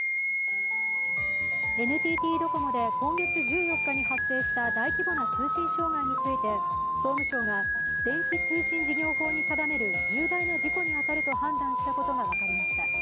ＮＴＴドコモで今月１４日に発生した大規模な通信障害について総務省が電気通信事業法に定める重大な事故に当たると判断したことが分かりました。